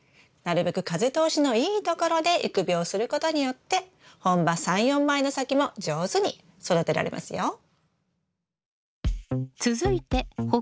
なるべく風通しのいいところで育苗することによって本葉３４枚の先も上手に育てられますよ。